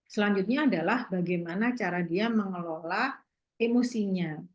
selanjutnya adalah bagaimana cara dia mengelola emosinya